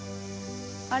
あれ？